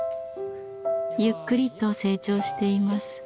ゆっくりと成長しています。